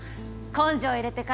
「根性入れて」って。